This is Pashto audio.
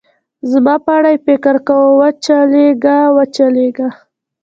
زما په اړه یې فکر کاوه، و چلېږه، و چلېږه.